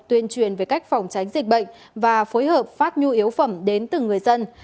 tuyên truyền về cách phòng tránh dịch bệnh và phối hợp phát nhu yếu phẩm đến từng người dân